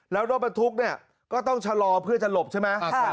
แล้วรถบรรทุกเนี่ยก็ต้องชะลอเพื่อจะหลบใช่ไหม